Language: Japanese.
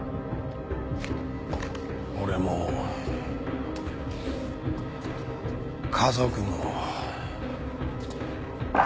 俺も家族も。